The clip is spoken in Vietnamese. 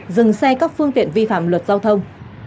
dừng xe các phương tiện vi phạm luật giao thông